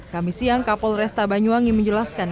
kami siang kapolresta banyuwangi menjelaskan